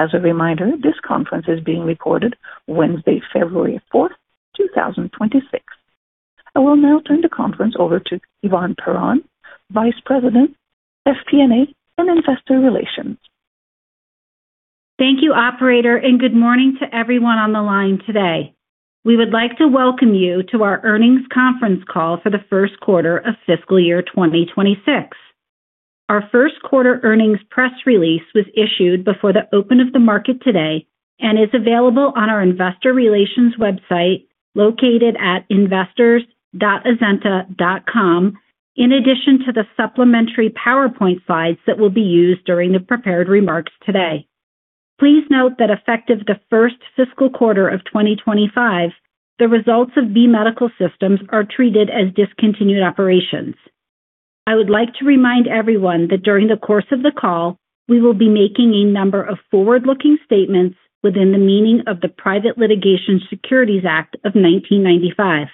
As a reminder, this conference is being recorded Wednesday, February 4, 2026. I will now turn the conference over to Yvonne Perron, Vice President, FP&A, and Investor Relations. Thank you, Operator, and good morning to everyone on the line today. We would like to welcome you to our earnings conference call for the first quarter of fiscal year 2026. Our first quarter earnings press release was issued before the open of the market today and is available on our Investor Relations website located at investors.azenta.com, in addition to the supplementary PowerPoint slides that will be used during the prepared remarks today. Please note that effective the first fiscal quarter of 2025, the results of B Medical Systems are treated as discontinued operations. I would like to remind everyone that during the course of the call, we will be making a number of forward-looking statements within the meaning of the Private Securities Litigation Reform Act of 1995.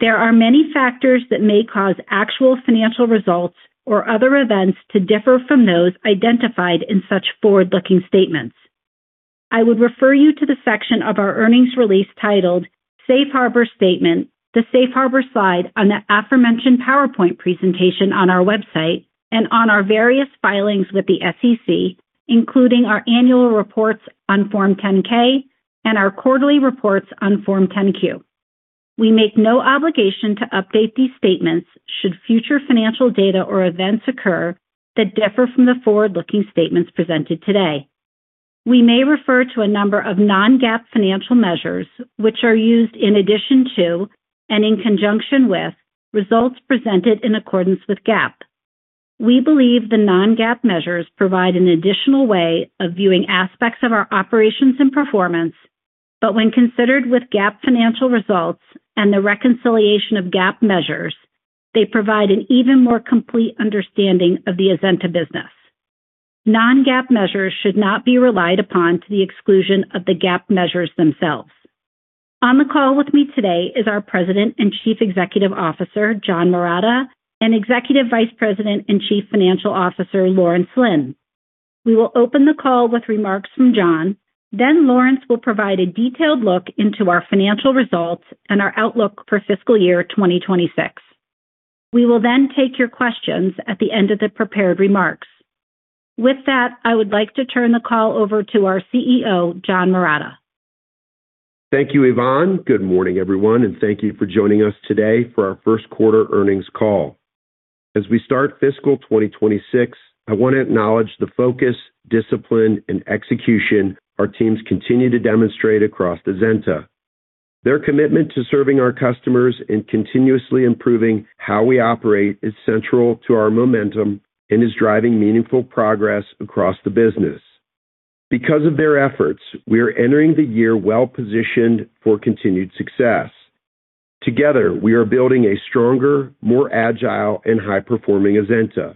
There are many factors that may cause actual financial results or other events to differ from those identified in such forward-looking statements. I would refer you to the section of our earnings release titled Safe Harbor Statement, the Safe Harbor slide on the aforementioned PowerPoint presentation on our website, and on our various filings with the SEC, including our annual reports on Form 10-K and our quarterly reports on Form 10-Q. We make no obligation to update these statements should future financial data or events occur that differ from the forward-looking statements presented today. We may refer to a number of non-GAAP financial measures, which are used in addition to and in conjunction with results presented in accordance with GAAP. We believe the non-GAAP measures provide an additional way of viewing aspects of our operations and performance, but when considered with GAAP financial results and the reconciliation of GAAP measures, they provide an even more complete understanding of the Azenta business. Non-GAAP measures should not be relied upon to the exclusion of the GAAP measures themselves. On the call with me today is our President and Chief Executive Officer, John Marotta, and Executive Vice President and Chief Financial Officer, Lawrence Lin. We will open the call with remarks from John, then Lawrence will provide a detailed look into our financial results and our outlook for fiscal year 2026. We will then take your questions at the end of the prepared remarks. With that, I would like to turn the call over to our CEO, John Marotta. Thank you, Yvonne. Good morning, everyone, and thank you for joining us today for our first quarter earnings call. As we start fiscal 2026, I want to acknowledge the focus, discipline, and execution our teams continue to demonstrate across Azenta. Their commitment to serving our customers and continuously improving how we operate is central to our momentum and is driving meaningful progress across the business. Because of their efforts, we are entering the year well-positioned for continued success. Together, we are building a stronger, more agile, and high-performing Azenta.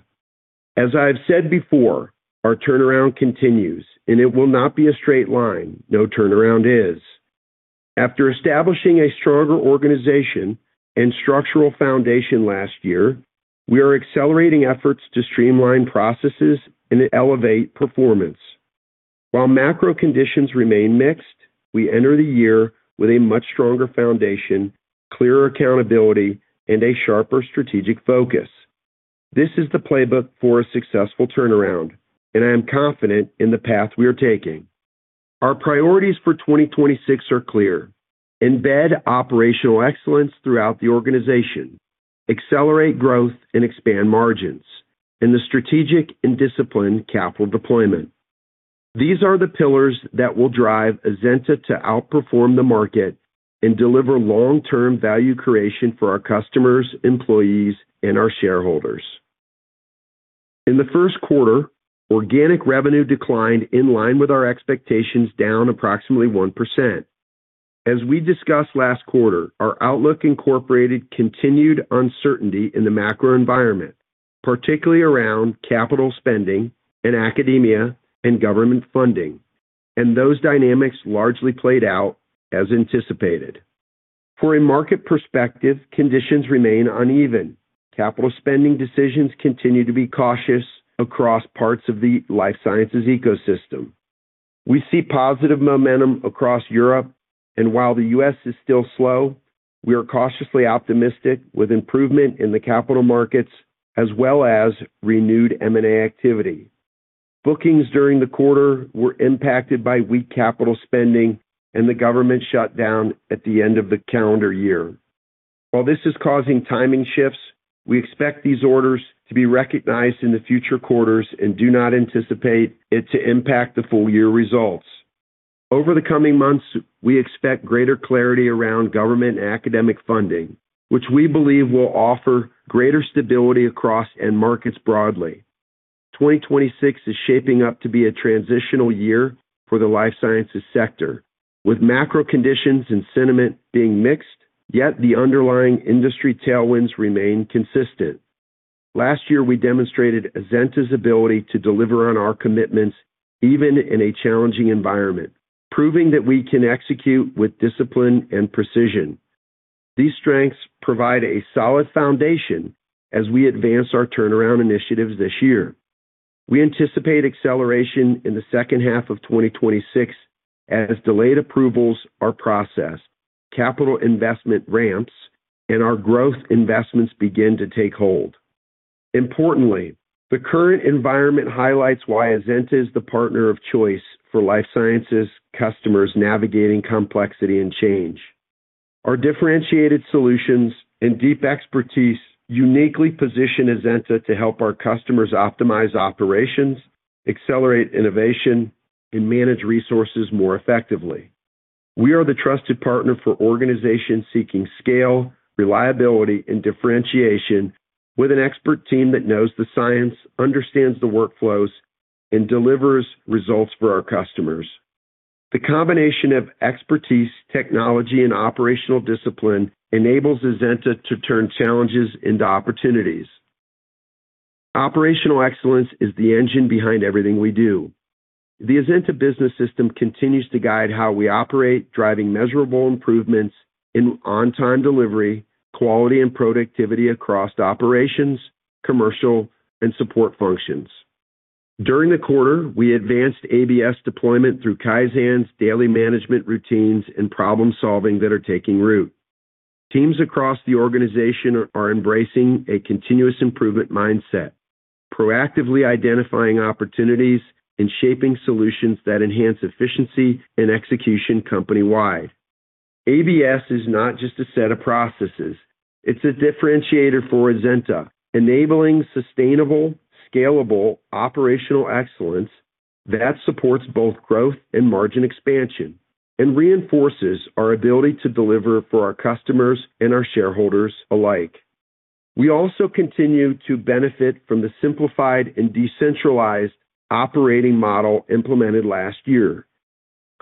As I have said before, our turnaround continues, and it will not be a straight line. No turnaround is. After establishing a stronger organization and structural foundation last year, we are accelerating efforts to streamline processes and elevate performance. While macro conditions remain mixed, we enter the year with a much stronger foundation, clearer accountability, and a sharper strategic focus. This is the playbook for a successful turnaround, and I am confident in the path we are taking. Our priorities for 2026 are clear: embed operational excellence throughout the organization, accelerate growth and expand margins, and the strategic and disciplined capital deployment. These are the pillars that will drive Azenta to outperform the market and deliver long-term value creation for our customers, employees, and our shareholders. In the first quarter, organic revenue declined in line with our expectations down approximately 1%. As we discussed last quarter, our outlook incorporated continued uncertainty in the macro environment, particularly around capital spending and academia and government funding, and those dynamics largely played out as anticipated. For a market perspective, conditions remain uneven. Capital spending decisions continue to be cautious across parts of the life sciences ecosystem. We see positive momentum across Europe, and while the U.S. is still slow, we are cautiously optimistic with improvement in the capital markets as well as renewed M&A activity. Bookings during the quarter were impacted by weak capital spending and the government shutdown at the end of the calendar year. While this is causing timing shifts, we expect these orders to be recognized in the future quarters and do not anticipate it to impact the full year results. Over the coming months, we expect greater clarity around government and academic funding, which we believe will offer greater stability across markets broadly. 2026 is shaping up to be a transitional year for the life sciences sector, with macro conditions and sentiment being mixed, yet the underlying industry tailwinds remain consistent. Last year, we demonstrated Azenta's ability to deliver on our commitments even in a challenging environment, proving that we can execute with discipline and precision. These strengths provide a solid foundation as we advance our turnaround initiatives this year. We anticipate acceleration in the second half of 2026 as delayed approvals are processed, capital investment ramps, and our growth investments begin to take hold. Importantly, the current environment highlights why Azenta is the partner of choice for life sciences customers navigating complexity and change. Our differentiated solutions and deep expertise uniquely position Azenta to help our customers optimize operations, accelerate innovation, and manage resources more effectively. We are the trusted partner for organizations seeking scale, reliability, and differentiation with an expert team that knows the science, understands the workflows, and delivers results for our customers. The combination of expertise, technology, and operational discipline enables Azenta to turn challenges into opportunities. Operational excellence is the engine behind everything we do. The Azenta Business System continues to guide how we operate, driving measurable improvements in on-time delivery, quality, and productivity across operations, commercial, and support functions. During the quarter, we advanced ABS deployment through Kaizen daily management routines and problem-solving that are taking root. Teams across the organization are embracing a continuous improvement mindset, proactively identifying opportunities and shaping solutions that enhance efficiency and execution company-wide. ABS is not just a set of processes. It's a differentiator for Azenta, enabling sustainable, scalable operational excellence that supports both growth and margin expansion and reinforces our ability to deliver for our customers and our shareholders alike. We also continue to benefit from the simplified and decentralized operating model implemented last year.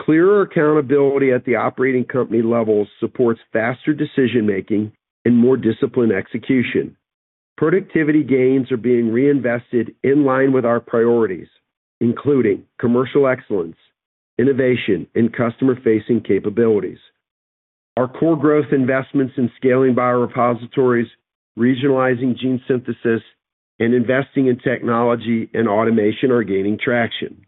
Clearer accountability at the operating company levels supports faster decision-making and more disciplined execution. Productivity gains are being reinvested in line with our priorities, including commercial excellence, innovation, and customer-facing capabilities. Our core growth investments in scaling Biorepositories, regionalizing gene synthesis, and investing in technology and automation are gaining traction.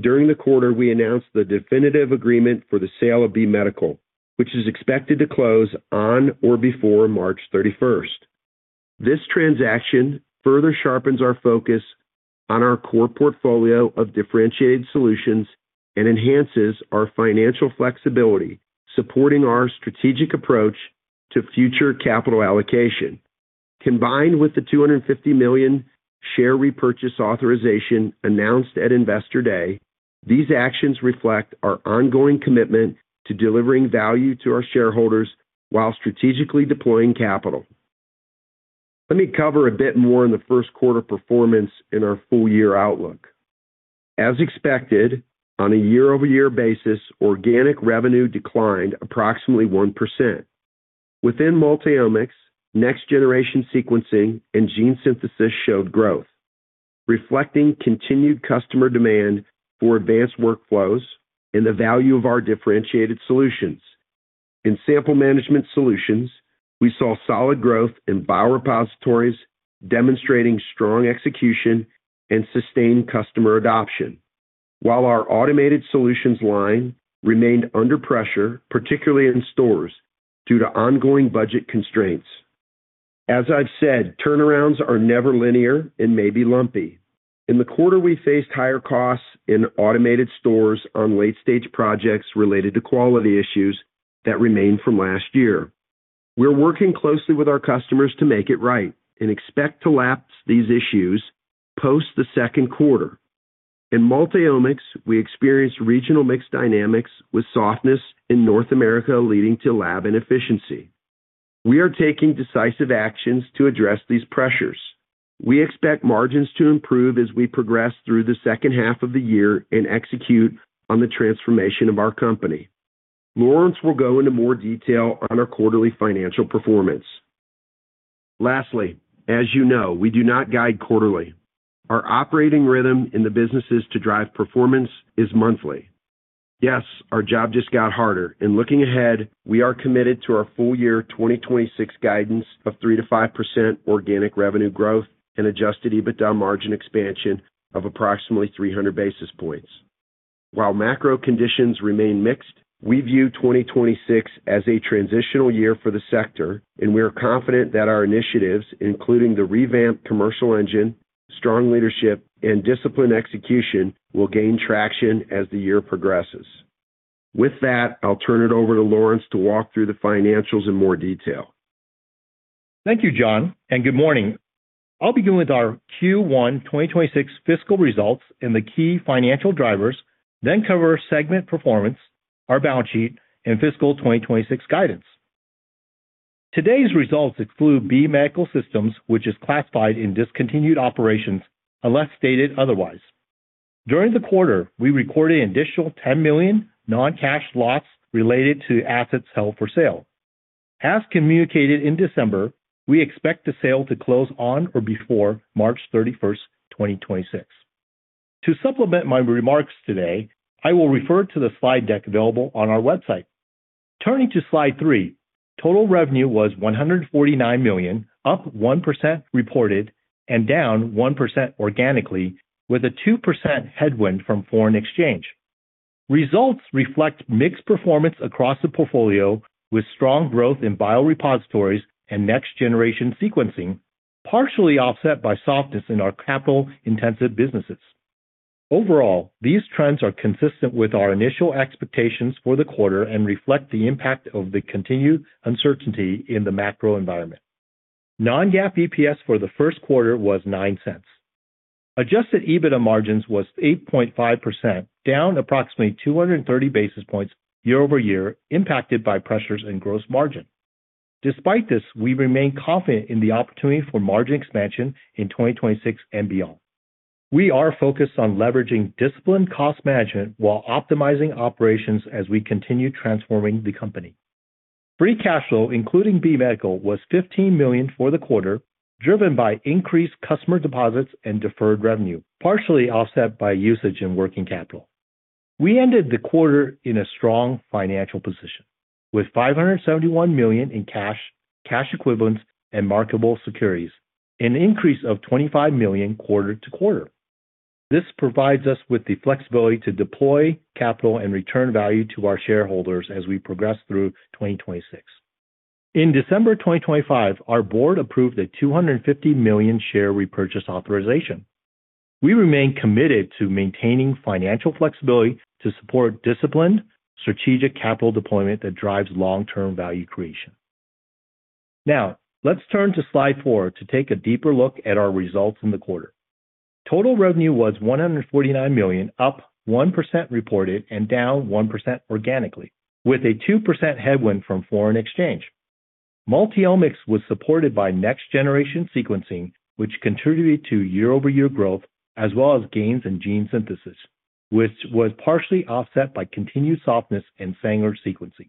During the quarter, we announced the definitive agreement for the sale of B Medical, which is expected to close on or before March 31st. This transaction further sharpens our focus on our core portfolio of differentiated solutions and enhances our financial flexibility, supporting our strategic approach to future capital allocation. Combined with the $250 million share repurchase authorization announced at Investor Day, these actions reflect our ongoing commitment to delivering value to our shareholders while strategically deploying capital. Let me cover a bit more in the first quarter performance in our full year outlook. As expected, on a year-over-year basis, organic revenue declined approximately 1%. Within Multiomics, Next-Generation Sequencing, and Gene Synthesis showed growth, reflecting continued customer demand for advanced workflows and the value of our differentiated solutions. In Sample Management Solutions, we saw solid growth in Biorepositories, demonstrating strong execution and sustained customer adoption, while our Automated Stores line remained under pressure, particularly in stores due to ongoing budget constraints. As I've said, turnarounds are never linear and may be lumpy. In the quarter, we faced higher costs in Automated Stores on late-stage projects related to quality issues that remained from last year. We're working closely with our customers to make it right and expect to lapse these issues post the second quarter. In Multiomics, we experienced regional mixed dynamics with softness in North America leading to lab inefficiency. We are taking decisive actions to address these pressures. We expect margins to improve as we progress through the second half of the year and execute on the transformation of our company. Lawrence will go into more detail on our quarterly financial performance. Lastly, as you know, we do not guide quarterly. Our operating rhythm in the businesses to drive performance is monthly. Yes, our job just got harder, and looking ahead, we are committed to our full year 2026 guidance of 3%-5% organic revenue growth and adjusted EBITDA margin expansion of approximately 300 basis points. While macro conditions remain mixed, we view 2026 as a transitional year for the sector, and we are confident that our initiatives, including the revamped commercial engine, strong leadership, and disciplined execution, will gain traction as the year progresses. With that, I'll turn it over to Lawrence to walk through the financials in more detail. Thank you, John, and good morning. I'll begin with our Q1 2026 fiscal results and the key financial drivers, then cover segment performance, our balance sheet, and fiscal 2026 guidance. Today's results include B Medical Systems, which is classified in discontinued operations unless stated otherwise. During the quarter, we recorded an additional $10 million non-cash loss related to assets held for sale. As communicated in December, we expect the sale to close on or before March 31st, 2026. To supplement my remarks today, I will refer to the slide deck available on our website. Turning to slide three, total revenue was $149 million, up 1% reported and down 1% organically, with a 2% headwind from foreign exchange. Results reflect mixed performance across the portfolio with strong growth in Biorepositories and next-generation sequencing, partially offset by softness in our capital-intensive businesses. Overall, these trends are consistent with our initial expectations for the quarter and reflect the impact of the continued uncertainty in the macro environment. Non-GAAP EPS for the first quarter was $0.09. Adjusted EBITDA margins was 8.5%, down approximately 230 basis points year-over-year, impacted by pressures and gross margin. Despite this, we remain confident in the opportunity for margin expansion in 2026 and beyond. We are focused on leveraging disciplined cost management while optimizing operations as we continue transforming the company. Free cash flow, including B Medical, was $15 million for the quarter, driven by increased customer deposits and deferred revenue, partially offset by usage and working capital. We ended the quarter in a strong financial position with $571 million in cash, cash equivalents, and marketable securities, an increase of $25 million quarter-over-quarter. This provides us with the flexibility to deploy capital and return value to our shareholders as we progress through 2026. In December 2025, our board approved a $250 million share repurchase authorization. We remain committed to maintaining financial flexibility to support disciplined, strategic capital deployment that drives long-term value creation. Now, let's turn to slide 4 to take a deeper look at our results in the quarter. Total revenue was $149 million, up 1% reported and down 1% organically, with a 2% headwind from foreign exchange. Multiomics was supported by Next-Generation Sequencing, which contributed to year-over-year growth as well as gains in Gene Synthesis, which was partially offset by continued softness in Sanger Sequencing.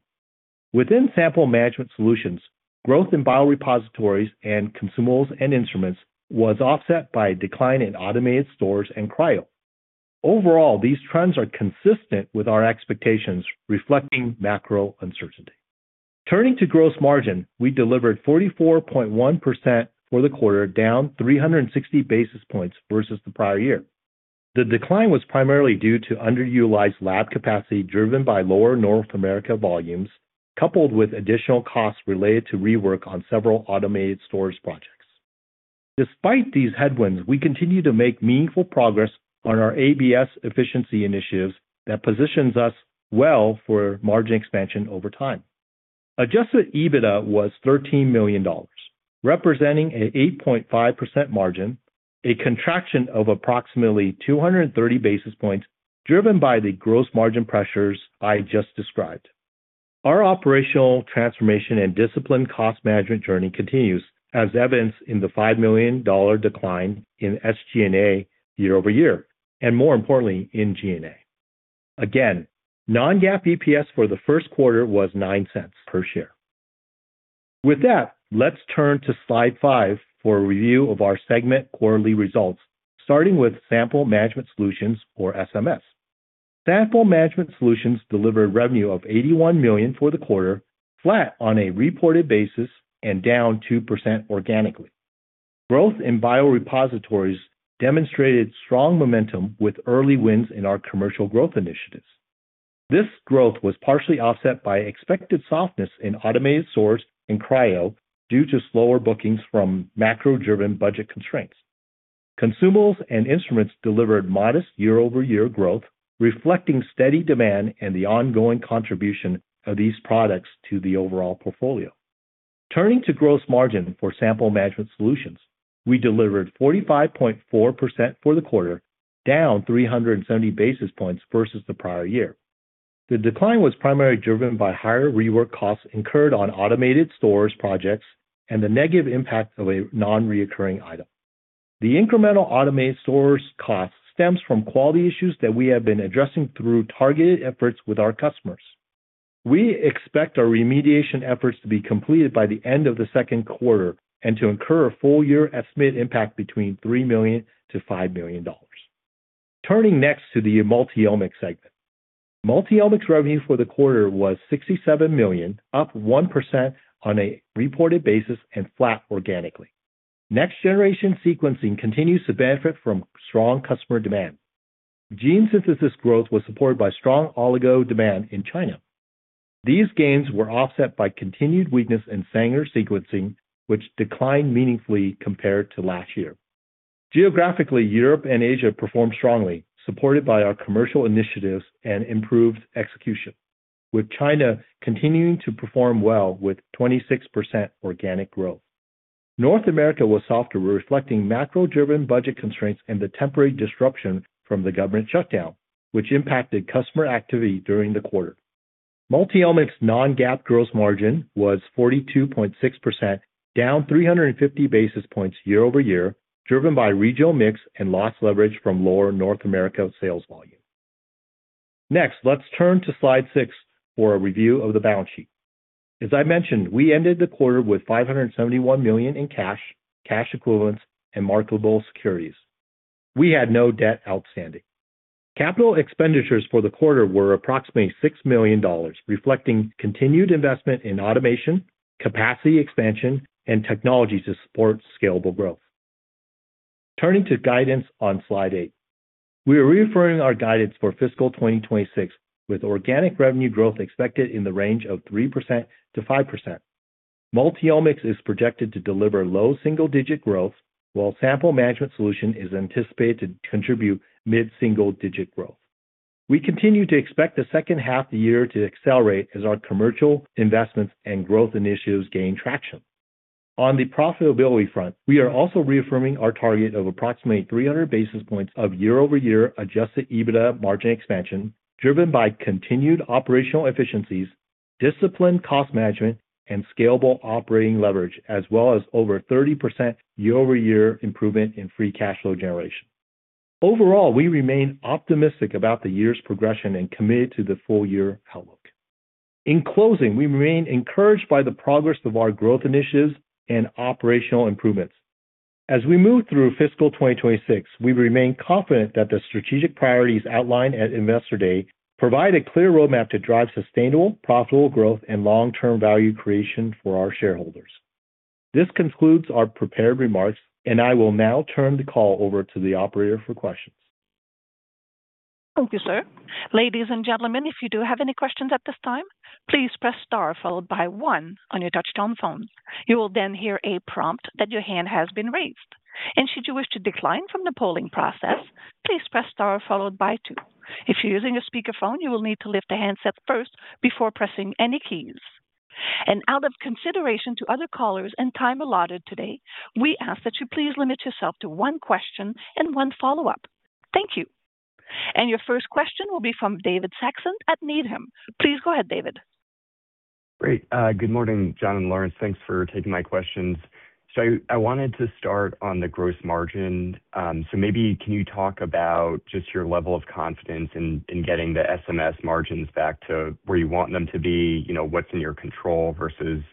Within Sample Management Solutions, growth in Biorepositories and Consumables and Instruments was offset by a decline in Automated Stores and Cryo. Overall, these trends are consistent with our expectations, reflecting macro uncertainty. Turning to gross margin, we delivered 44.1% for the quarter, down 360 basis points versus the prior year. The decline was primarily due to underutilized lab capacity driven by lower North America volumes, coupled with additional costs related to rework on several Automated Stores projects. Despite these headwinds, we continue to make meaningful progress on our ABS efficiency initiatives that positions us well for margin expansion over time. Adjusted EBITDA was $13 million, representing an 8.5% margin, a contraction of approximately 230 basis points driven by the gross margin pressures I just described. Our operational transformation and disciplined cost management journey continues, as evidenced in the $5 million decline in SG&A year-over-year, and more importantly, in G&A. Again, non-GAAP EPS for the first quarter was $0.09 per share. With that, let's turn to slide five for a review of our segment quarterly results, starting with Sample Management Solutions, or SMS. Sample Management Solutions delivered revenue of $81 million for the quarter, flat on a reported basis and down 2% organically. Growth in Biorepositories demonstrated strong momentum with early wins in our commercial growth initiatives. This growth was partially offset by expected softness in Automated Stores and Cryo due to slower bookings from macro-driven budget constraints. Consumables and Instruments delivered modest year-over-year growth, reflecting steady demand and the ongoing contribution of these products to the overall portfolio. Turning to gross margin for Sample Management Solutions, we delivered 45.4% for the quarter, down 370 basis points versus the prior year. The decline was primarily driven by higher rework costs incurred on Automated Stores projects and the negative impact of a non-recurring item. The incremental Automated stores costs stems from quality issues that we have been addressing through targeted efforts with our customers. We expect our remediation efforts to be completed by the end of the second quarter and to incur a full year estimated impact between $3 million-$5 million. Turning next to the Multiomics segment. Multiomics revenue for the quarter was $67 million, up 1% on a reported basis and flat organically. Next-generation sequencing continues to benefit from strong customer demand. Gene Synthesis growth was supported by strong oligo demand in China. These gains were offset by continued weakness in Sanger Sequencing, which declined meaningfully compared to last year. Geographically, Europe and Asia performed strongly, supported by our commercial initiatives and improved execution, with China continuing to perform well with 26% organic growth. North America was softer, reflecting macro-driven budget constraints and the temporary disruption from the government shutdown, which impacted customer activity during the quarter. Multiomics non-GAAP gross margin was 42.6%, down 350 basis points year over year, driven by regional mix and loss leverage from lower North America sales volume. Next, let's turn to slide six for a review of the balance sheet. As I mentioned, we ended the quarter with $571 million in cash, cash equivalents, and marketable securities. We had no debt outstanding. Capital expenditures for the quarter were approximately $6 million, reflecting continued investment in automation, capacity expansion, and technology to support scalable growth. Turning to guidance on slide eight. We are reaffirming our guidance for fiscal 2026, with organic revenue growth expected in the range of 3%-5%. Multiomics is projected to deliver low single-digit growth, while Sample Management Solutions is anticipated to contribute mid-single-digit growth. We continue to expect the second half of the year to accelerate as our commercial investments and growth initiatives gain traction. On the profitability front, we are also reaffirming our target of approximately 300 basis points of year-over-year Adjusted EBITDA margin expansion, driven by continued operational efficiencies, disciplined cost management, and scalable operating leverage, as well as over 30% year-over-year improvement in free cash flow generation. Overall, we remain optimistic about the year's progression and committed to the full year outlook. In closing, we remain encouraged by the progress of our growth initiatives and operational improvements. As we move through fiscal 2026, we remain confident that the strategic priorities outlined at Investor Day provide a clear roadmap to drive sustainable, profitable growth and long-term value creation for our shareholders. This concludes our prepared remarks, and I will now turn the call over to the operator for questions. Thank you, sir. Ladies and gentlemen, if you do have any questions at this time, please press star followed by one on your touch-tone phone. You will then hear a prompt that your hand has been raised. And should you wish to decline from the polling process, please press star followed by two. If you're using a speakerphone, you will need to lift the handset first before pressing any keys. And out of consideration to other callers and time allotted today, we ask that you please limit yourself to one question and one follow-up. Thank you. And your first question will be from David Saxon at Needham. Please go ahead, David. Great. Good morning, John and Lawrence. Thanks for taking my questions. So I wanted to start on the gross margin. So maybe can you talk about just your level of confidence in getting the SMS margins back to where you want them to be, what's in your control versus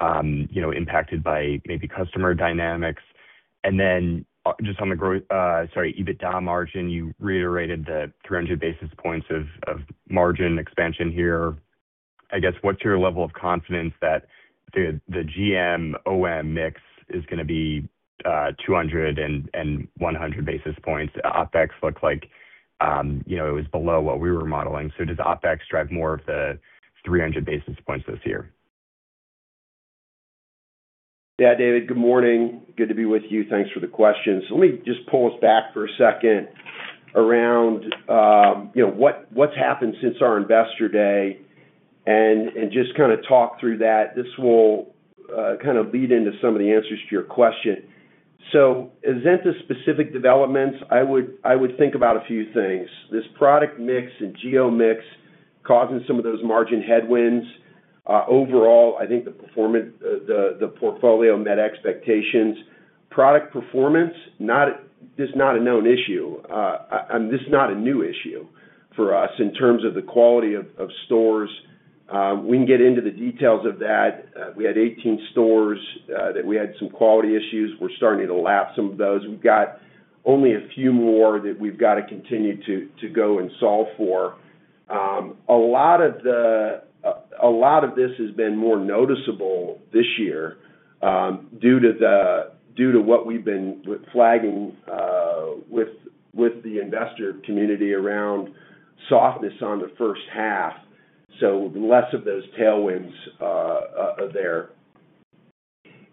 impacted by maybe customer dynamics? And then just on the growth, sorry, EBITDA margin, you reiterated the 300 basis points of margin expansion here. I guess, what's your level of confidence that the GM/OM mix is going to be 200 and 100 basis points? OpEx looked like it was below what we were modeling. So does OpEx drive more of the 300 basis points this year? Yeah, David, good morning. Good to be with you. Thanks for the questions. Let me just pull us back for a second around what's happened since our Investor Day and just kind of talk through that. This will kind of lead into some of the answers to your question. So Azenta specific developments, I would think about a few things. This product mix and geo mix causing some of those margin headwinds. Overall, I think the portfolio met expectations. Product performance, this is not a known issue. This is not a new issue for us in terms of the quality of stores. We can get into the details of that. We had 18 stores that we had some quality issues. We're starting to lapse some of those. We've got only a few more that we've got to continue to go and solve for. A lot of this has been more noticeable this year due to what we've been flagging with the investor community around softness on the first half. So less of those tailwinds are there.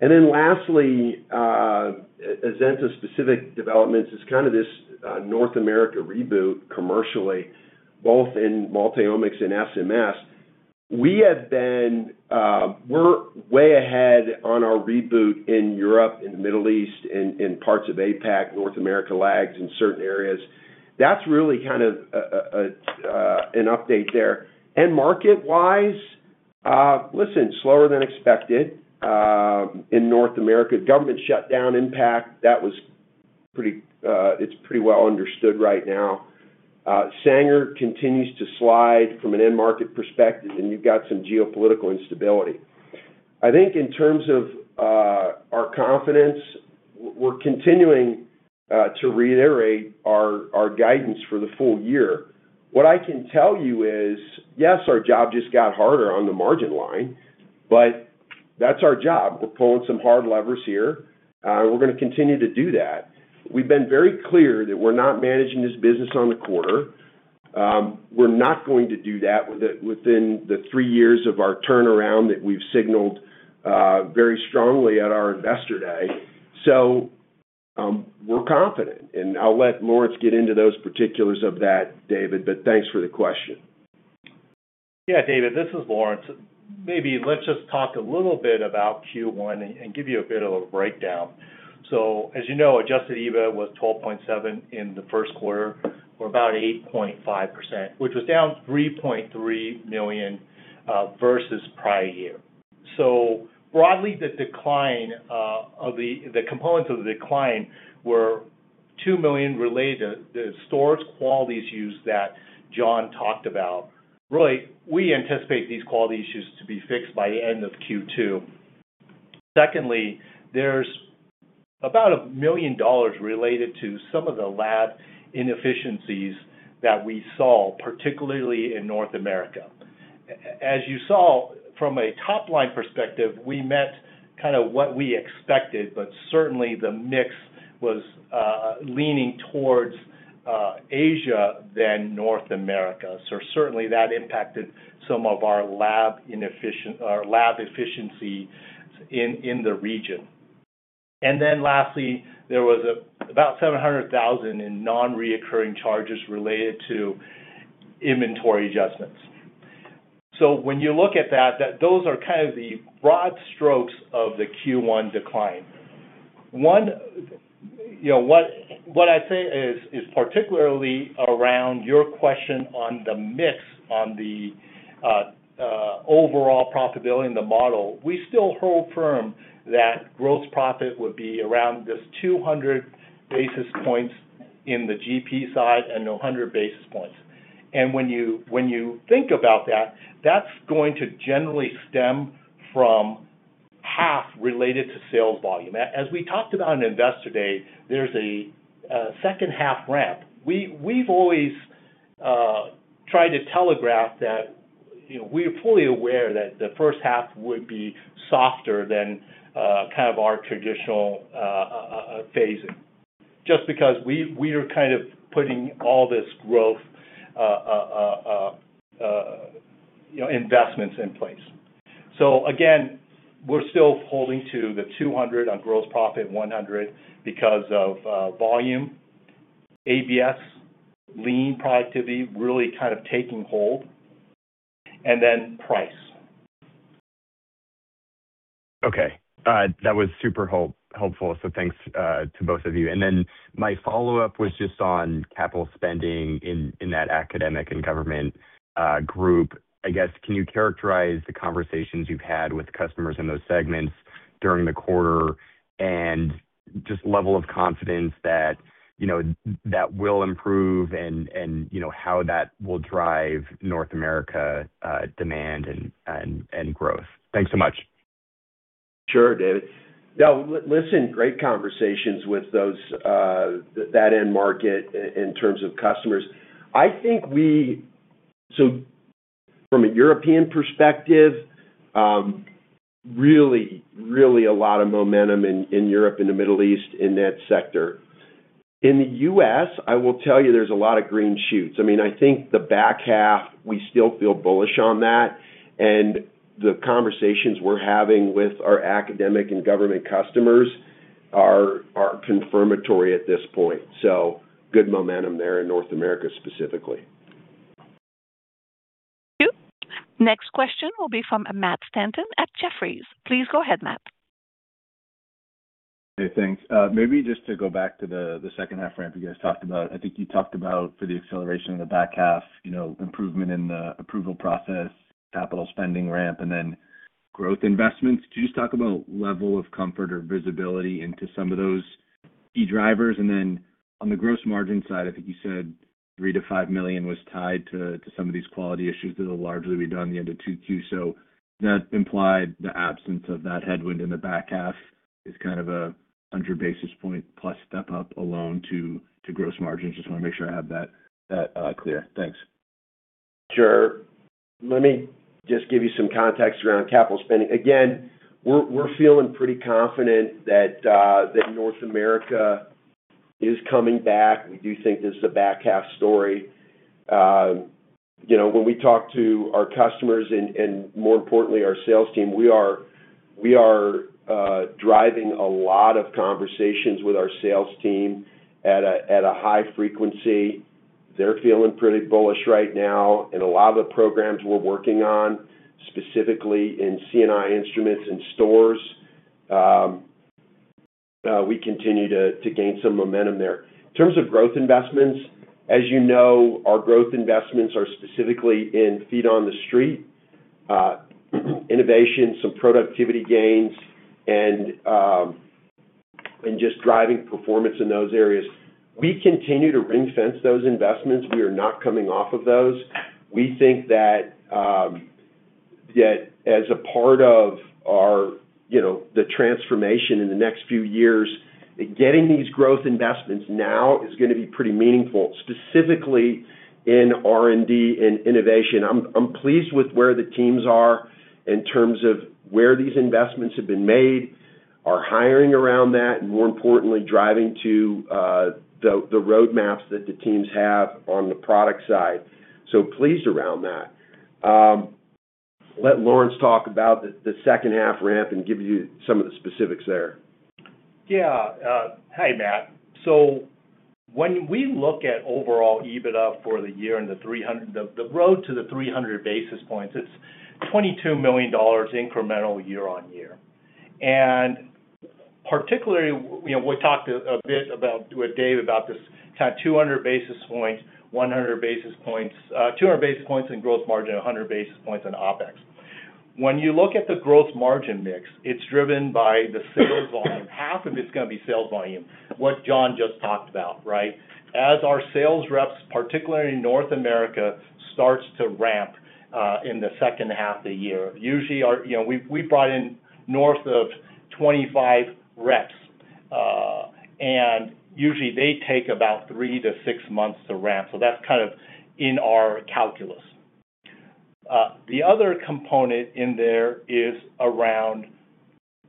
And then lastly, Azenta specific developments is kind of this North America reboot commercially, both in Multiomics and SMS. We're way ahead on our reboot in Europe, in the Middle East, in parts of APAC. North America lags in certain areas. That's really kind of an update there. And market-wise, listen, slower than expected in North America. Government shutdown impact, that was pretty. It's pretty well understood right now. Sanger continues to slide from an end-market perspective, and you've got some geopolitical instability. I think in terms of our confidence, we're continuing to reiterate our guidance for the full year. What I can tell you is, yes, our job just got harder on the margin line, but that's our job. We're pulling some hard levers here, and we're going to continue to do that. We've been very clear that we're not managing this business on the quarter. We're not going to do that within the three years of our turnaround that we've signaled very strongly at our Investor Day. We're confident. I'll let Lawrence get into those particulars of that, David, but thanks for the question. Yeah, David, this is Lawrence. Maybe let's just talk a little bit about Q1 and give you a bit of a breakdown. So as you know, adjusted EBITDA was 12.7 in the first quarter or about 8.5%, which was down $3.3 million versus prior year. So broadly, the decline of the components of the decline were $2 million related to the stores' quality issues that John talked about. Really, we anticipate these quality issues to be fixed by the end of Q2. Secondly, there's about $1 million related to some of the lab inefficiencies that we saw, particularly in North America. As you saw, from a top-line perspective, we met kind of what we expected, but certainly, the mix was leaning towards Asia than North America. So certainly, that impacted some of our lab efficiency in the region. Then lastly, there was about $700,000 in non-recurring charges related to inventory adjustments. So when you look at that, those are kind of the broad strokes of the Q1 decline. What I'd say is particularly around your question on the mix on the overall profitability and the model, we still hold firm that gross profit would be around this 200 basis points in the GP side and 100 basis points. And when you think about that, that's going to generally stem from half related to sales volume. As we talked about on Investor Day, there's a second-half ramp. We've always tried to telegraph that we're fully aware that the first half would be softer than kind of our traditional phasing just because we are kind of putting all this growth investments in place. So again, we're still holding to the 200 on gross profit and 100 because of volume, ABS, lean productivity really kind of taking hold, and then price. Okay. That was super helpful. So thanks to both of you. And then my follow-up was just on capital spending in that academic and government group. I guess, can you characterize the conversations you've had with customers in those segments during the quarter and just level of confidence that will improve and how that will drive North America demand and growth? Thanks so much. Sure, David. No, listen, great conversations with that end market in terms of customers. I think we saw from a European perspective, really, really a lot of momentum in Europe and the Middle East in that sector. In the U.S., I will tell you, there's a lot of green shoots. I mean, I think the back half, we still feel bullish on that. And the conversations we're having with our academic and government customers are confirmatory at this point. So good momentum there in North America specifically. Thank you. Next question will be from Matt Stanton at Jefferies. Please go ahead, Matt. Hey, thanks. Maybe just to go back to the second-half ramp you guys talked about. I think you talked about for the acceleration of the back half, improvement in the approval process, capital spending ramp, and then growth investments. Could you just talk about level of comfort or visibility into some of those key drivers? And then on the gross margin side, I think you said $3 million-$5 million was tied to some of these quality issues that will largely be done at the end of Q2. So that implied the absence of that headwind in the back half is kind of a 100 basis point plus step up alone to gross margins. Just want to make sure I have that clear. Thanks. Sure. Let me just give you some context around capital spending. Again, we're feeling pretty confident that North America is coming back. We do think this is a back half story. When we talk to our customers and more importantly, our sales team, we are driving a lot of conversations with our sales team at a high frequency. They're feeling pretty bullish right now. And a lot of the programs we're working on, specifically in C&I instruments and stores, we continue to gain some momentum there. In terms of growth investments, as you know, our growth investments are specifically in feet on the street, innovation, some productivity gains, and just driving performance in those areas. We continue to ring-fence those investments. We are not coming off of those. We think that as a part of the transformation in the next few years, getting these growth investments now is going to be pretty meaningful, specifically in R&D and innovation. I'm pleased with where the teams are in terms of where these investments have been made, our hiring around that, and more importantly, driving to the roadmaps that the teams have on the product side. So pleased around that. Let Lawrence talk about the second-half ramp and give you some of the specifics there. Yeah. Hi, Matt. So when we look at overall EBITDA for the year and the road to the 300 basis points, it's $22 million incremental year on year. And particularly, we talked a bit with David about this kind of 200 basis points, 100 basis points, 200 basis points in gross margin, 100 basis points in OpEx. When you look at the gross margin mix, it's driven by the sales volume. Half of it's going to be sales volume, what John just talked about, right? As our sales reps, particularly in North America, start to ramp in the second half of the year, usually, we brought in north of 25 reps. And usually, they take about three to six months to ramp. So that's kind of in our calculus. The other component in there is around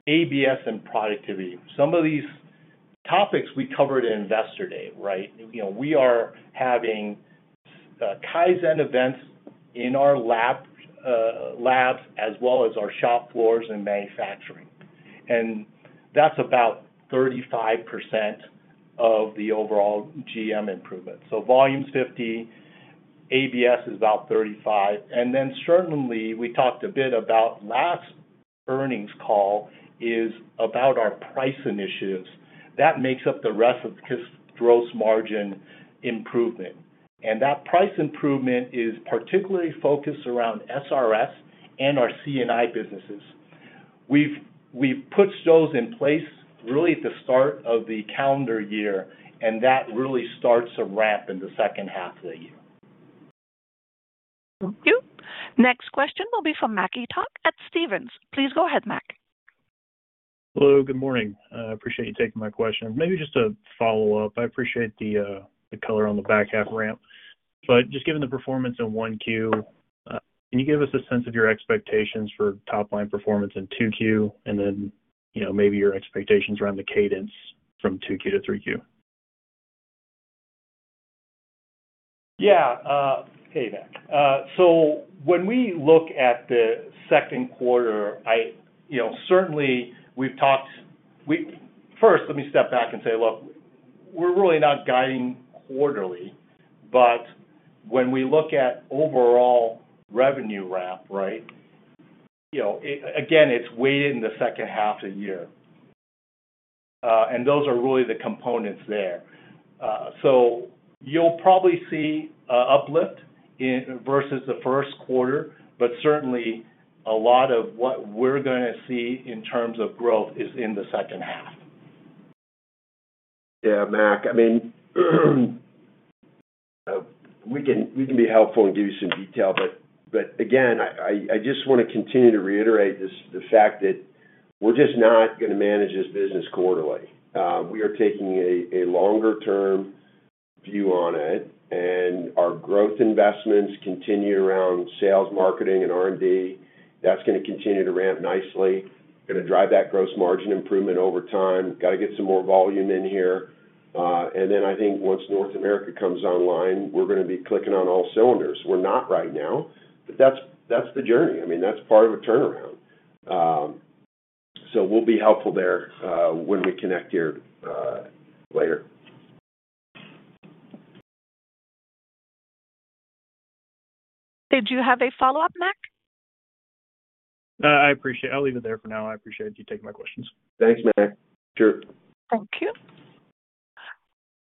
ABS and productivity. Some of these topics, we covered in Investor Day, right? We are having Kaizen events in our labs as well as our shop floors and manufacturing. And that's about 35% of the overall GM improvement. So volume's 50%, ABS is about 35%. And then certainly, we talked a bit about last earnings call is about our price initiatives. That makes up the rest of this gross margin improvement. And that price improvement is particularly focused around SRS and our C&I businesses. We've put those in place really at the start of the calendar year, and that really starts to ramp in the second half of the year. Thank you. Next question will be from Mac Etoch at Stephens. Please go ahead, Mac. Hello. Good morning. I appreciate you taking my question. Maybe just a follow-up. I appreciate the color on the back half ramp. But just given the performance in 1Q, can you give us a sense of your expectations for top-line performance in 2Q and then maybe your expectations around the cadence from 2Q to 3Q? Yeah. Hey, Mac. So when we look at the second quarter, certainly, we've talked first, let me step back and say, "Look, we're really not guiding quarterly." But when we look at overall revenue ramp, right, again, it's weighted in the second half of the year. And those are really the components there. So you'll probably see an uplift versus the first quarter, but certainly, a lot of what we're going to see in terms of growth is in the second half. Yeah, Mac. I mean, we can be helpful and give you some detail. But again, I just want to continue to reiterate the fact that we're just not going to manage this business quarterly. We are taking a longer-term view on it. Our growth investments continue around sales, marketing, and R&D. That's going to continue to ramp nicely. Going to drive that gross margin improvement over time. Got to get some more volume in here. Then I think once North America comes online, we're going to be clicking on all cylinders. We're not right now, but that's the journey. I mean, that's part of a turnaround. So we'll be helpful there when we connect here later. Did you have a follow-up, Mac? I appreciate it. I'll leave it there for now. I appreciate you taking my questions. Thanks, Mac. Sure. Thank you.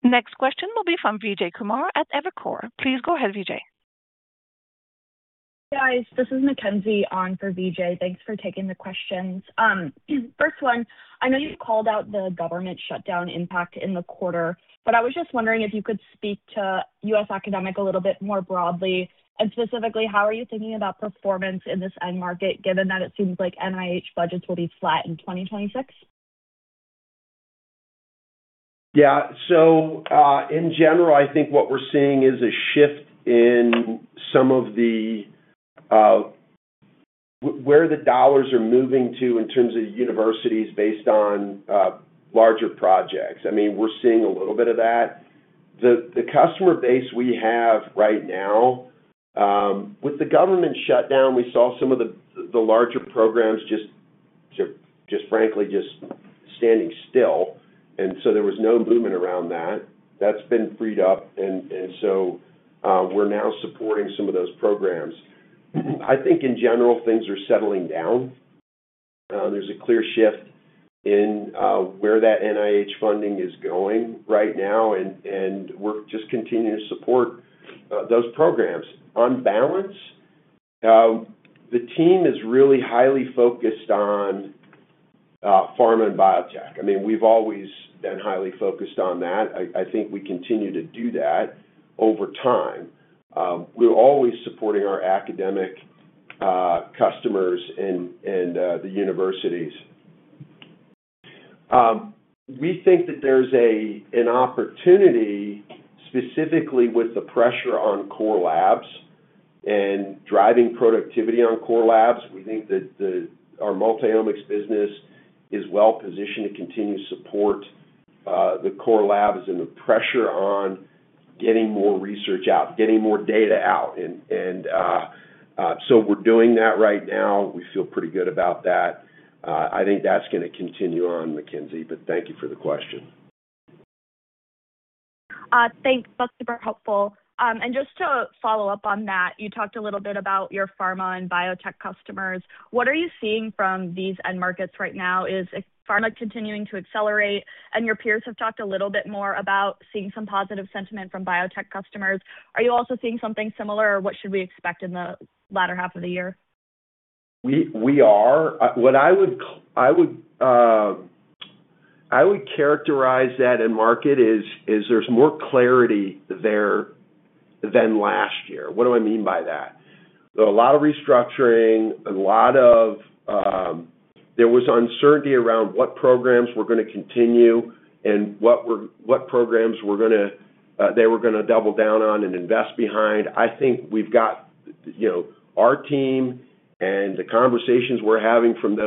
Next question will be from Vijay Kumar at Evercore. Please go ahead, Vijay. Hey, guys. This is Mackenzie on for Vijay. Thanks for taking the questions. First one, I know you called out the government shutdown impact in the quarter, but I was just wondering if you could speak to U.S. academic a little bit more broadly. Specifically, how are you thinking about performance in this end market given that it seems like NIH budgets will be flat in 2026? Yeah. So in general, I think what we're seeing is a shift in some of the where the dollars are moving to in terms of universities based on larger projects. I mean, we're seeing a little bit of that. The customer base we have right now, with the government shutdown, we saw some of the larger programs just frankly just standing still. And so there was no movement around that. That's been freed up. And so we're now supporting some of those programs. I think in general, things are settling down. There's a clear shift in where that NIH funding is going right now. And we're just continuing to support those programs. On balance, the team is really highly focused on pharma and biotech. I mean, we've always been highly focused on that. I think we continue to do that over time. We're always supporting our academic customers and the universities. We think that there's an opportunity specifically with the pressure on core labs and driving productivity on core labs. We think that our multi-omics business is well-positioned to continue to support the core labs and the pressure on getting more research out, getting more data out. And so we're doing that right now. We feel pretty good about that. I think that's going to continue on, Mackenzie. But thank you for the question. Thanks. That's super helpful. And just to follow up on that, you talked a little bit about your pharma and biotech customers. What are you seeing from these end markets right now? Is pharma continuing to accelerate? And your peers have talked a little bit more about seeing some positive sentiment from biotech customers. Are you also seeing something similar, or what should we expect in the latter half of the year? We are. What I would characterize that end market is there's more clarity there than last year. What do I mean by that? A lot of restructuring, a lot of there was uncertainty around what programs were going to continue and what programs they were going to double down on and invest behind. I think we've got our team and the conversations we're having from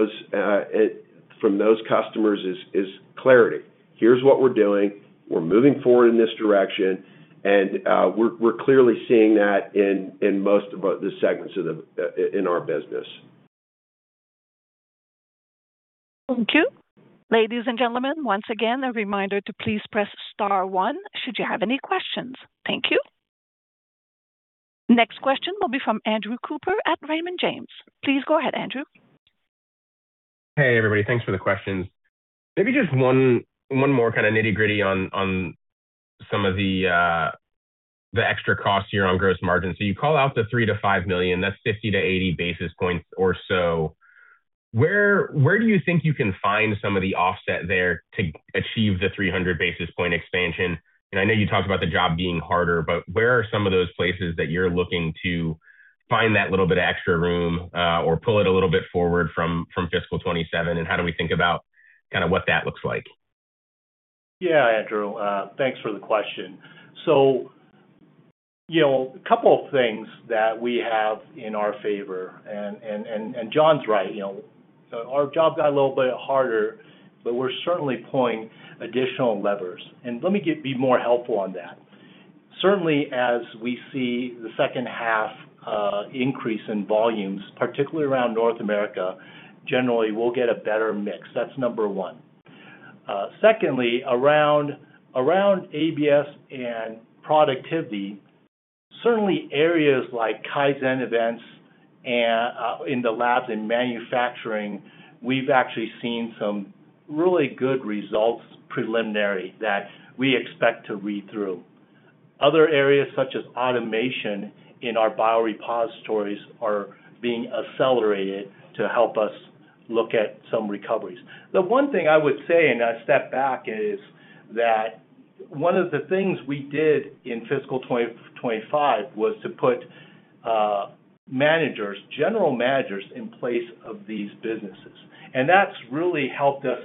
those customers is clarity. Here's what we're doing. We're moving forward in this direction. And we're clearly seeing that in most of the segments in our business. Thank you. Ladies and gentlemen, once again, a reminder to please press star one should you have any questions. Thank you. Next question will be from Andrew Cooper at Raymond James. Please go ahead, Andrew. Hey, everybody. Thanks for the questions. Maybe just one more kind of nitty-gritty on some of the extra costs here on gross margin. So you call out the $3 million-$5 million. That's 50-80 basis points or so. Where do you think you can find some of the offset there to achieve the 300 basis point expansion? And I know you talked about the job being harder, but where are some of those places that you're looking to find that little bit of extra room or pull it a little bit forward from fiscal 2027? And how do we think about kind of what that looks like? Yeah, Andrew. Thanks for the question. So a couple of things that we have in our favor and John's right. Our job got a little bit harder, but we're certainly pulling additional levers. And let me be more helpful on that. Certainly, as we see the second half increase in volumes, particularly around North America, generally, we'll get a better mix. That's number one. Secondly, around ABS and productivity, certainly, areas like Kaizen events in the labs and manufacturing, we've actually seen some really good results preliminary that we expect to read through. Other areas such as automation in our Biorepositories are being accelerated to help us look at some recoveries. The one thing I would say, and I'll step back, is that one of the things we did in fiscal 2025 was to put general managers in place of these businesses. And that's really helped us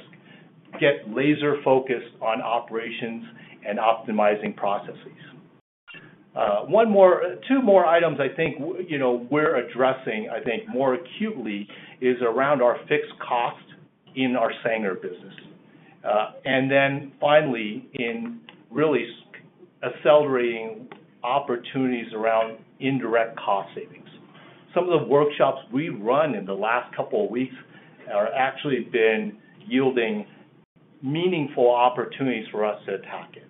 get laser-focused on operations and optimizing processes. Two more items, I think, we're addressing, I think, more acutely is around our fixed cost in our Sanger business. And then finally, in really accelerating opportunities around indirect cost savings. Some of the workshops we've run in the last couple of weeks have actually been yielding meaningful opportunities for us to attack it.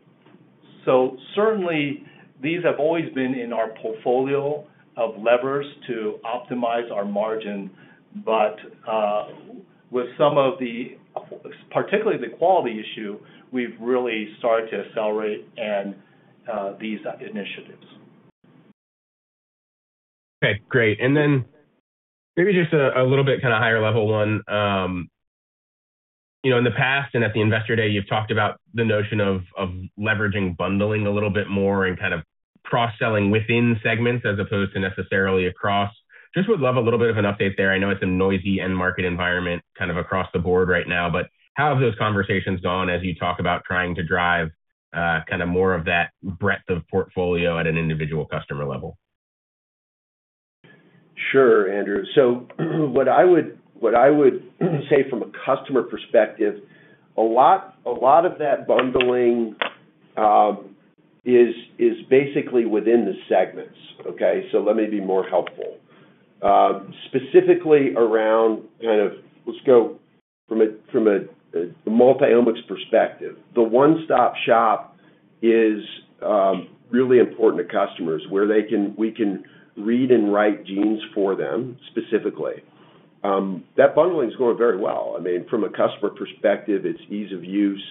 So certainly, these have always been in our portfolio of levers to optimize our margin. But with some of the particularly the quality issue, we've really started to accelerate these initiatives. Okay. Great. And then maybe just a little bit kind of higher-level one. In the past and at the Investor Day, you've talked about the notion of leveraging bundling a little bit more and kind of cross-selling within segments as opposed to necessarily across. Just would love a little bit of an update there. I know it's a noisy end market environment kind of across the board right now, but how have those conversations gone as you talk about trying to drive kind of more of that breadth of portfolio at an individual customer level? Sure, Andrew. So what I would say from a customer perspective, a lot of that bundling is basically within the segments, okay? So let me be more helpful. Specifically around kind of let's go from a Multiomics perspective. The one-stop shop is really important to customers where we can read and write genes for them specifically. That bundling is going very well. I mean, from a customer perspective, it's ease of use.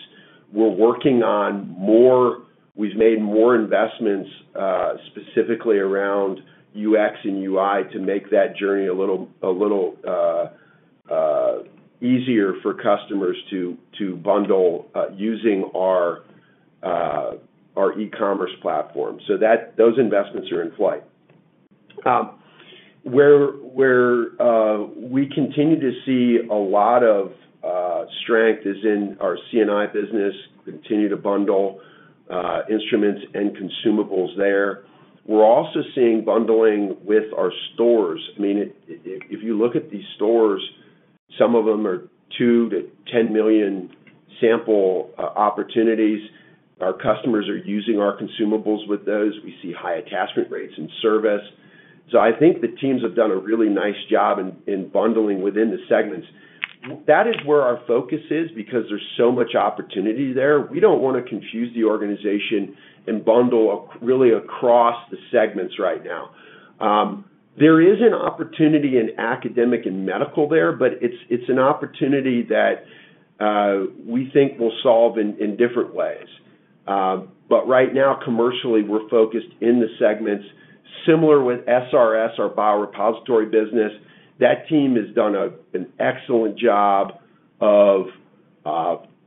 We're working on more. We've made more investments specifically around UX and UI to make that journey a little easier for customers to bundle using our e-commerce platform. So those investments are in flight. Where we continue to see a lot of strength is in our CNI business, continue to bundle instruments and consumables there. We're also seeing bundling with our stores. I mean, if you look at these stores, some of them are 2-10 million sample opportunities. Our customers are using our consumables with those. We see high attachment rates in service. So I think the teams have done a really nice job in bundling within the segments. That is where our focus is because there's so much opportunity there. We don't want to confuse the organization and bundle really across the segments right now. There is an opportunity in academic and medical there, but it's an opportunity that we think will solve in different ways. But right now, commercially, we're focused in the segments. Similar with SMS, our Biorepository business, that team has done an excellent job of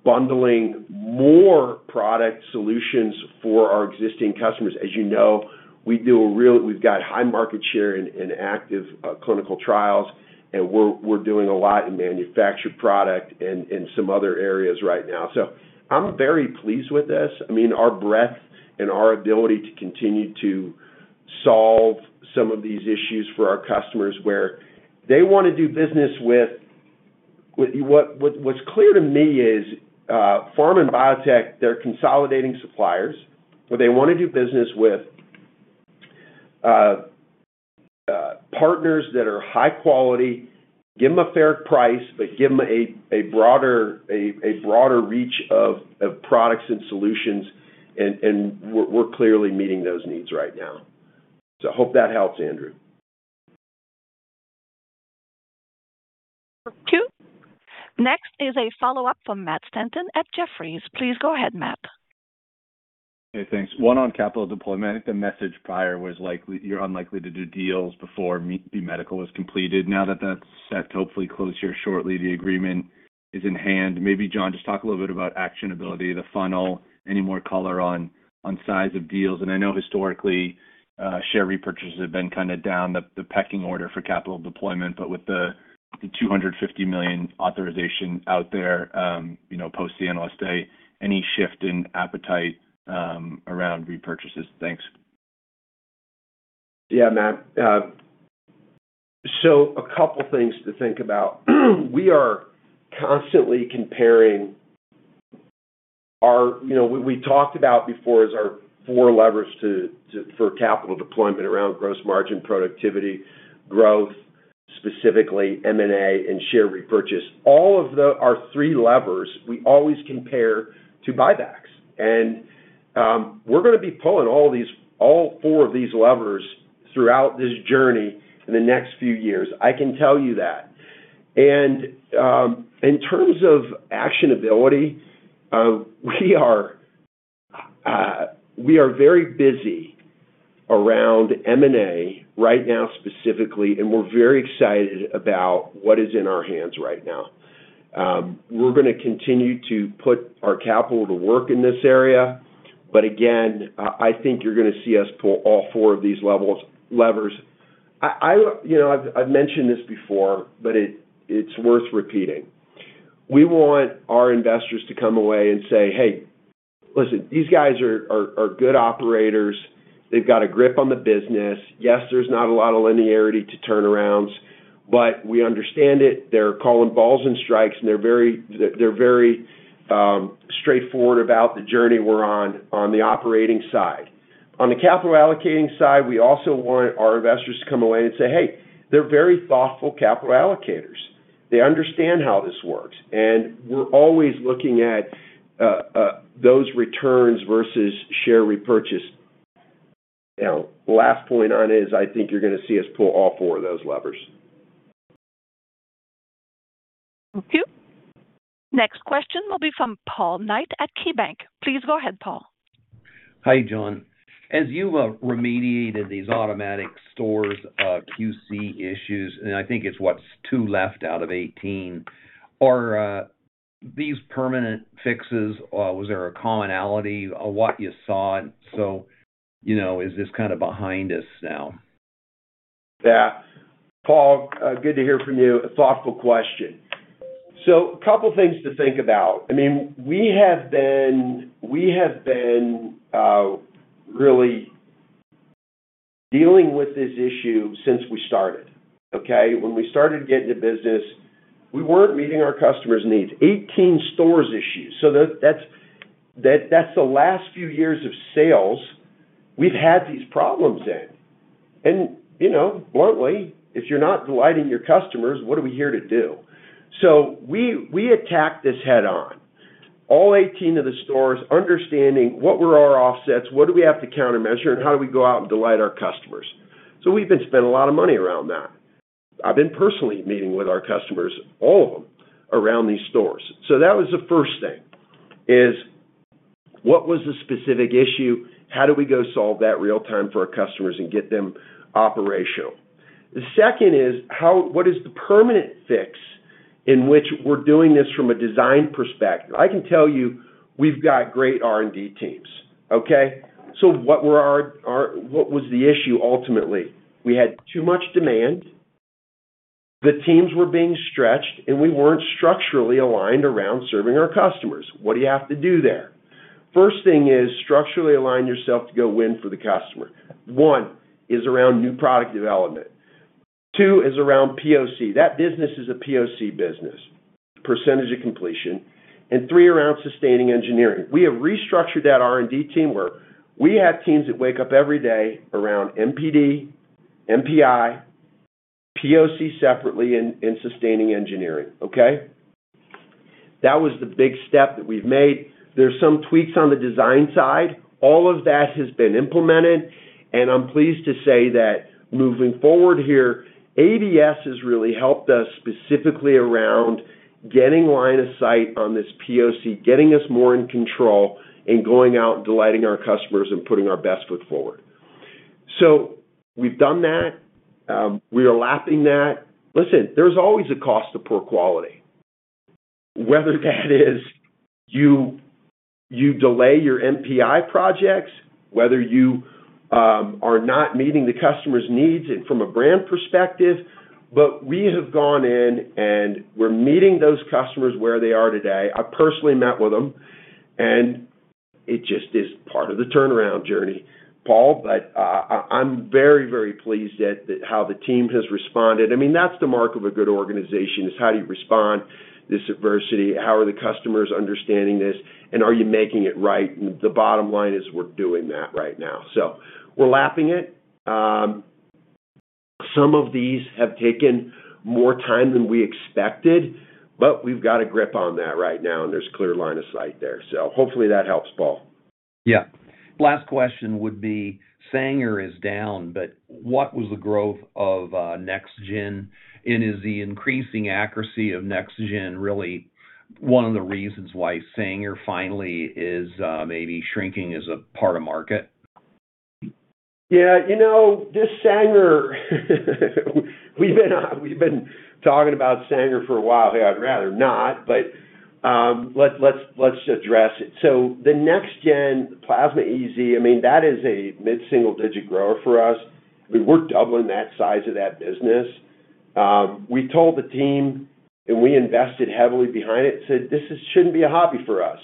bundling more product solutions for our existing customers. As you know, we've got high market share in active clinical trials, and we're doing a lot in manufactured product and some other areas right now. I'm very pleased with this. I mean, our breadth and our ability to continue to solve some of these issues for our customers where they want to do business with what's clear to me is pharma and biotech, they're consolidating suppliers, but they want to do business with partners that are high quality, give them a fair price, but give them a broader reach of products and solutions. We're clearly meeting those needs right now. I hope that helps, Andrew. Thank you. Next is a follow-up from Matt Stanton at Jefferies. Please go ahead, Matt. Hey, thanks. One on capital deployment. I think the message prior was likely you're unlikely to do deals before the medical is completed. Now that that's hopefully closed here shortly, the agreement is in hand. Maybe, John, just talk a little bit about actionability, the funnel, any more color on size of deals. And I know historically, share repurchases have been kind of down the pecking order for capital deployment. But with the $250 million authorization out there post-the Analyst Day, any shift in appetite around repurchases? Thanks. Yeah, Matt. So a couple of things to think about. We are constantly comparing our we talked about before is our four levers for capital deployment around gross margin, productivity, growth, specifically M&A, and share repurchase. All of our three levers, we always compare to buybacks. And we're going to be pulling all four of these levers throughout this journey in the next few years. I can tell you that. And in terms of actionability, we are very busy around M&A right now specifically, and we're very excited about what is in our hands right now. We're going to continue to put our capital to work in this area. But again, I think you're going to see us pull all four of these levers. I've mentioned this before, but it's worth repeating. We want our investors to come away and say, "Hey, listen, these guys are good operators. They've got a grip on the business. Yes, there's not a lot of linearity to turnarounds, but we understand it. They're calling balls and strikes, and they're very straightforward about the journey we're on on the operating side. On the capital allocating side, we also want our investors to come away and say, "Hey, they're very thoughtful capital allocators. They understand how this works." And we're always looking at those returns versus share repurchase. Last point on is I think you're going to see us pull all four of those levers. Thank you. Next question will be from Paul Knight at KeyBanc. Please go ahead, Paul. Hi, John. As you've remediated these Automated Stores QC issues, and I think it's what's two left out of 18, are these permanent fixes? Was there a commonality, what you saw? So is this kind of behind us now? Yeah. Paul, good to hear from you. A thoughtful question. So a couple of things to think about. I mean, we have been really dealing with this issue since we started, okay? When we started getting to business, we weren't meeting our customers' needs. 18 stores issues. So that's the last few years of sales. We've had these problems in. And bluntly, if you're not delighting your customers, what are we here to do? So we attacked this head-on, all 18 of the stores understanding what were our offsets, what do we have to countermeasure, and how do we go out and delight our customers. So we've been spending a lot of money around that. I've been personally meeting with our customers, all of them, around these stores. So that was the first thing is what was the specific issue? How do we go solve that real-time for our customers and get them operational? The second is what is the permanent fix in which we're doing this from a design perspective? I can tell you we've got great R&D teams, okay? So what was the issue ultimately? We had too much demand. The teams were being stretched, and we weren't structurally aligned around serving our customers. What do you have to do there? First thing is structurally align yourself to go win for the customer. One is around new product development. Two is around POC. That business is a POC business, percentage of completion. And three around sustaining engineering. We have restructured that R&D team where we have teams that wake up every day around NPD, NPI, POC separately, and sustaining engineering, okay? That was the big step that we've made. There's some tweaks on the design side. All of that has been implemented. I'm pleased to say that moving forward here, ABS has really helped us specifically around getting line of sight on this POC, getting us more in control, and going out and delighting our customers and putting our best foot forward. So we've done that. We are lapping that. Listen, there's always a cost of poor quality. Whether that is you delay your NPI projects, whether you are not meeting the customer's needs from a brand perspective. But we have gone in, and we're meeting those customers where they are today. I've personally met with them, and it just is part of the turnaround journey, Paul. But I'm very, very pleased at how the team has responded. I mean, that's the mark of a good organization is how do you respond to this adversity? How are the customers understanding this? Are you making it right? The bottom line is we're doing that right now. We're lapping it. Some of these have taken more time than we expected, but we've got a grip on that right now, and there's clear line of sight there. Hopefully, that helps, Paul. Yeah. Last question would be Sanger is down, but what was the growth of Next-Gen? And is the increasing accuracy of Next-Gen really one of the reasons why Sanger finally is maybe shrinking as a part of market? Yeah. This Sanger, we've been talking about Sanger for a while. Hey, I'd rather not, but let's address it. So the Next-Gen, the Plasmid-EZ, I mean, that is a mid-single-digit grower for us. I mean, we're doubling that size of that business. We told the team, and we invested heavily behind it, and said, "This shouldn't be a hobby for us."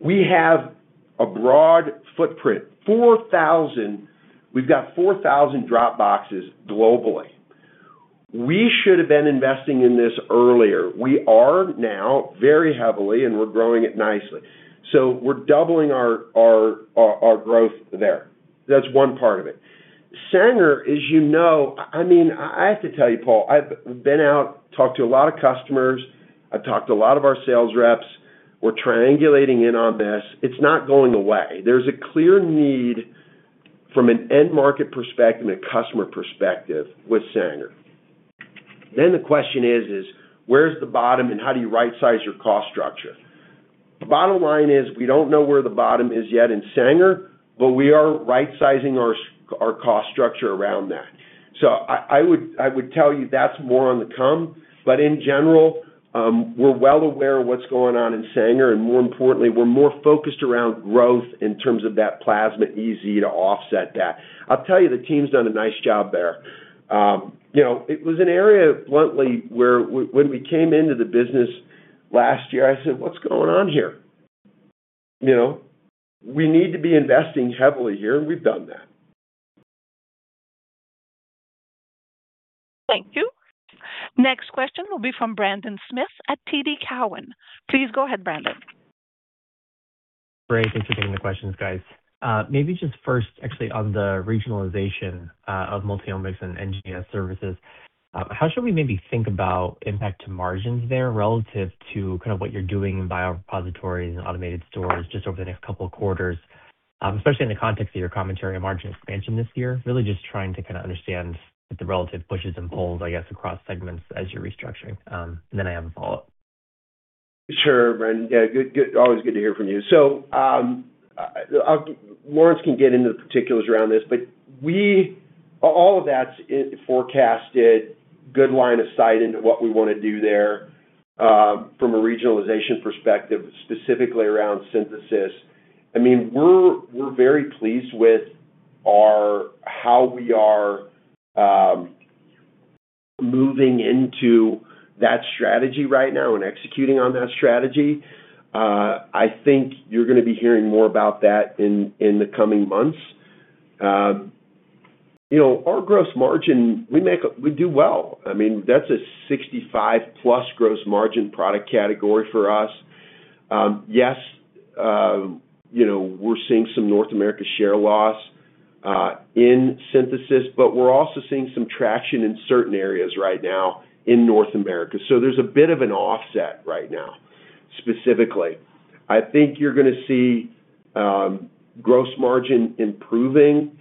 We have a broad footprint, 4,000—we've got 4,000 drop boxes globally. We should have been investing in this earlier. We are now very heavily, and we're growing it nicely. So we're doubling our growth there. That's one part of it. Sanger, as you know—I mean, I have to tell you, Paul, I've been out, talked to a lot of customers. I've talked to a lot of our sales reps. We're triangulating in on this. It's not going away. There's a clear need from an end market perspective and a customer perspective with Sanger. Then the question is, where's the bottom, and how do you right-size your cost structure? The bottom line is we don't know where the bottom is yet in Sanger, but we are right-sizing our cost structure around that. So I would tell you that's more on the come. But in general, we're well aware of what's going on in Sanger. And more importantly, we're more focused around growth in terms of that Plasmid-EZ to offset that. I'll tell you, the team's done a nice job there. It was an area, bluntly, where when we came into the business last year, I said, "What's going on here? We need to be investing heavily here," and we've done that. Thank you. Next question will be from Brendan Smith at TD Cowen. Please go ahead, Brendan. Great. Thanks for taking the questions, guys. Maybe just first, actually, on the regionalization of Multiomics and NGS services, how should we maybe think about impact to margins there relative to kind of what you're doing in Biorepositories and Automated Stores just over the next couple of quarters, especially in the context of your commentary on margin expansion this year? Really just trying to kind of understand the relative pushes and pulls, I guess, across segments as you're restructuring. Then I have a follow-up. Sure, Brendan. Yeah, always good to hear from you. So Lawrence can get into the particulars around this, but all of that's forecasted, good line of sight into what we want to do there from a regionalization perspective, specifically around synthesis. I mean, we're very pleased with how we are moving into that strategy right now and executing on that strategy. I think you're going to be hearing more about that in the coming months. Our gross margin, we do well. I mean, that's a 65%+ gross margin product category for us. Yes, we're seeing some North America share loss in synthesis, but we're also seeing some traction in certain areas right now in North America. So there's a bit of an offset right now, specifically. I think you're going to see gross margin improving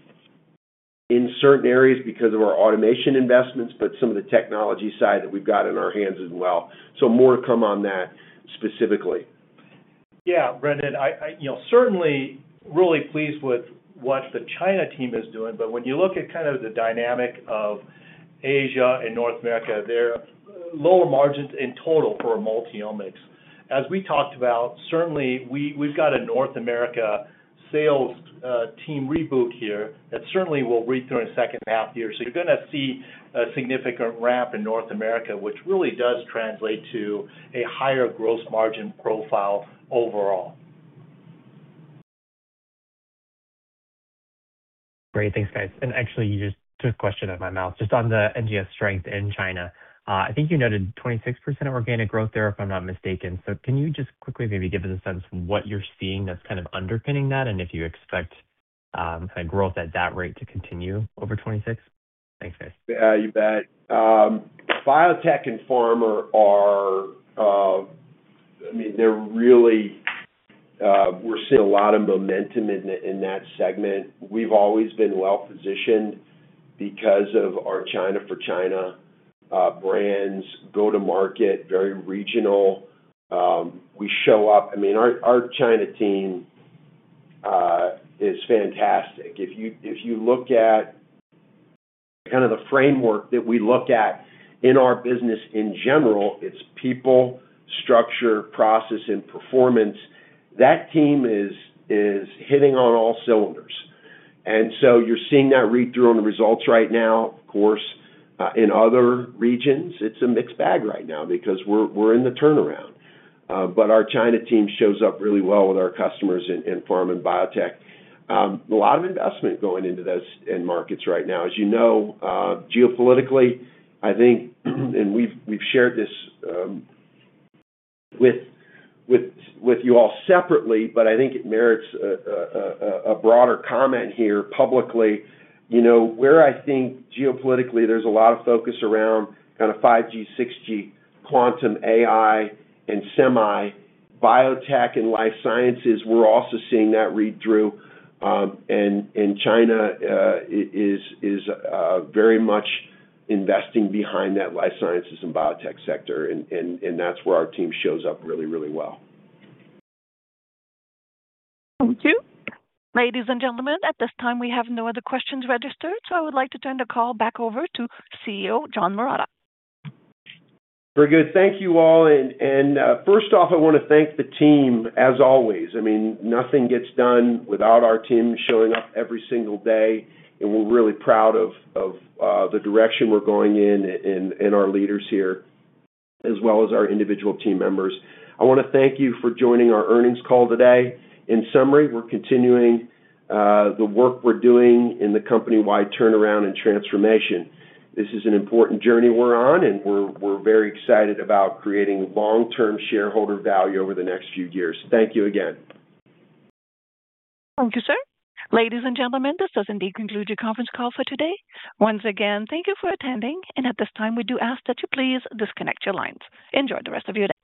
in certain areas because of our automation investments, but some of the technology side that we've got in our hands as well. More to come on that specifically. Yeah, Brendan, certainly really pleased with what the China team is doing. But when you look at kind of the dynamic of Asia and North America, they're lower margins in total for Multiomics. As we talked about, certainly, we've got a North America sales team reboot here that certainly will read through in the second half year. So you're going to see a significant ramp in North America, which really does translate to a higher gross margin profile overall. Great. Thanks, guys. And actually, you just took question out of my mouth. Just on the NGS strength in China, I think you noted 26% organic growth there, if I'm not mistaken. So can you just quickly maybe give us a sense of what you're seeing that's kind of underpinning that and if you expect kind of growth at that rate to continue over 2026? Thanks, guys. Yeah, you bet. Biotech and pharma are, I mean, we're seeing a lot of momentum in that segment. We've always been well-positioned because of our China for China brands, go-to-market, very regional. We show up, I mean, our China team is fantastic. If you look at kind of the framework that we look at in our business in general, it's people, structure, process, and performance. That team is hitting on all cylinders. And so you're seeing that read through on the results right now. Of course, in other regions, it's a mixed bag right now because we're in the turnaround. But our China team shows up really well with our customers in pharma and biotech. A lot of investment going into those end markets right now. As you know, geopolitically, I think, and we've shared this with you all separately, but I think it merits a broader comment here publicly. Where I think geopolitically, there's a lot of focus around kind of 5G, 6G, quantum, AI, and semi. Biotech and life sciences, we're also seeing that read through. And China is very much investing behind that life sciences and biotech sector. And that's where our team shows up really, really well. Thank you. Ladies and gentlemen, at this time, we have no other questions registered. I would like to turn the call back over to CEO John Marotta. Very good. Thank you all. First off, I want to thank the team, as always. I mean, nothing gets done without our team showing up every single day. We're really proud of the direction we're going in and our leaders here as well as our individual team members. I want to thank you for joining our earnings call today. In summary, we're continuing the work we're doing in the company-wide turnaround and transformation. This is an important journey we're on, and we're very excited about creating long-term shareholder value over the next few years. Thank you again. Thank you, sir. Ladies and gentlemen, this does indeed conclude your conference call for today. Once again, thank you for attending. At this time, we do ask that you please disconnect your lines. Enjoy the rest of your day.